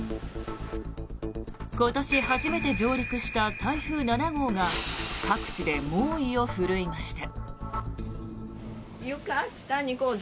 今年初めて上陸した台風７号が各地で猛威を振るいました。